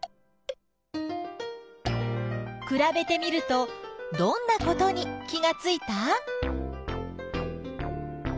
くらべてみるとどんなことに気がついた？